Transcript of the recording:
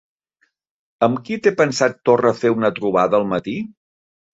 Amb qui té pensat Torra fer una trobada al matí?